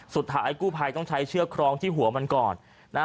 สุดท้ายกู้ภัยต้องใช้เชือกครองที่หัวมันก่อนนะ